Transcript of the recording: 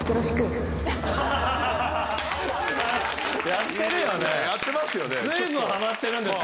やってるよね。